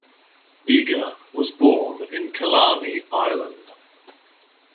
Eagar was born in Killarney, Ireland.